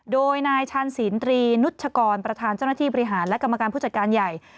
โดยนายชาญศีลตรีนุชกรประธานเจ้าหน้าที่บริหารและกรรมการผู้จัดการใหญ่